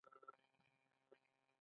د اراکوزیا نوم د کندهار لپاره کاریده